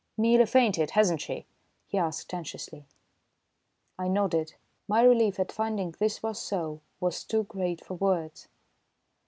"Merely fainted, hasn't she?" he asked anxiously. I nodded. My relief at finding this was so, was too great for words.